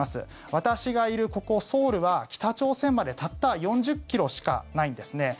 私がいるここ、ソウルは北朝鮮までたった４０ｋｍしかないんですね。